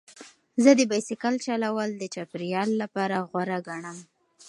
زه د بایسکل چلول د چاپیریال لپاره غوره ګڼم.